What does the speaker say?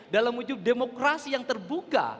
dalam wujud demokrasi yang terbuka